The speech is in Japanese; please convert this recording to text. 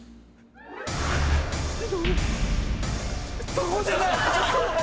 そこじゃない！